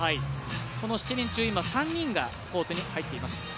この７人中３人が今コートに入っています。